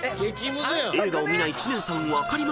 ［映画を見ない知念さん分かりますか？］